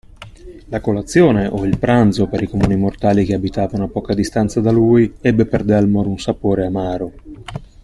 La colazione, o il pranzo per i comuni mortali che abitavano a poca distanza da lui, ebbe per Dalmor un sapore amaro.